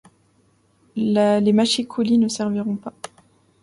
Les mâchicoulis ne serviront pas.